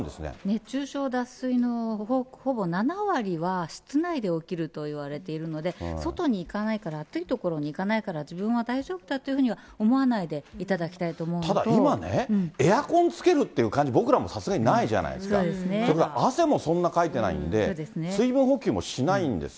熱中症、脱水のほぼ７割は室内で起きるといわれているので、外に行かないから、暑い所に行かないから自分は大丈夫だっていうふうには思わないでただ、今ね、エアコンつけるっていう感じ、僕らもさすがにないじゃないですか。ということは汗もそんなかいてないんで、水分補給もしないんです